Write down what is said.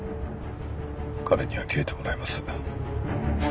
彼には消えてもらいます。